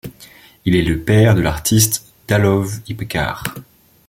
Il est le père de l'artiste Dahlov Ipcar.